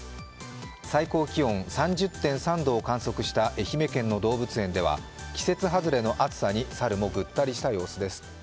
最高気温３０．３度を観測した愛媛県の動物園では季節はずれの暑さに猿もぐったりした様子です。